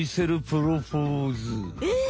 えっ？